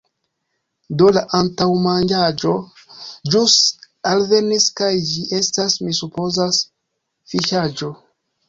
Do, la antaŭmanĝaĵo ĵus alvenis kaj ĝi estas, mi supozas, fiŝaĵo.